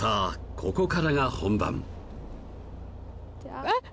ここからが本番あっ！